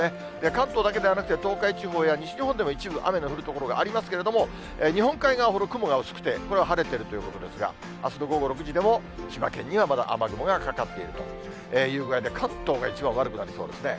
関東だけではなくて、東海地方や西日本でも一部、雨の降る所がありますけれども、日本海側ほど雲が薄くて、これは晴れてるということですが、あすの午後６時でも、千葉県にはまだ雨雲がかかっているという具合で、関東が一番悪くなりそうですね。